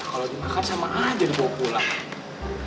kalau dibakar sama aja dibawa pulang